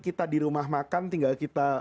kita di rumah makan tinggal kita